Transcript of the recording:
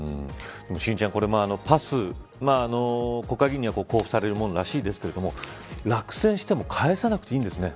心ちゃん、これパス国会議員には交付されるものらしいですが落選しても返さなくていいんですね。